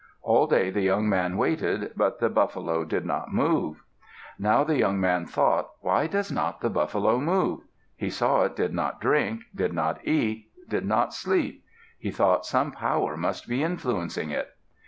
All day the young man waited, but the buffalo did not move. Now the young man thought, "Why does not the buffalo move?" He saw it did not drink, did not eat, did not sleep. He thought some power must be influencing it.